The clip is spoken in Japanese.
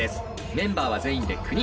メンバーは全員で９人。